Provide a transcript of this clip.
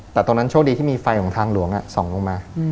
แต่ตอนนั้นโชคดีที่มีไฟของทางหลวงส่องลงมา